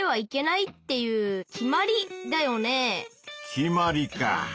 決まりか。